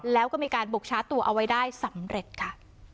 แล้วก็มีการบุกชาร์จตัวเอาไว้ได้สำเร็จค่ะ